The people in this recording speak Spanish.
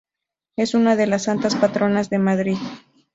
Es una de las santas patronas de Madrid.